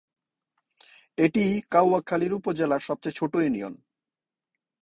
এটি কাউখালী উপজেলার সবচেয়ে ছোট ইউনিয়ন।